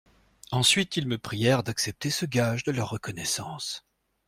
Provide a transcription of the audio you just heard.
Ensuite, ils me prièrent d'accepter ce gage de leur reconnaissance.